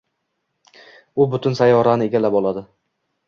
U butun sayyorani egallab oladi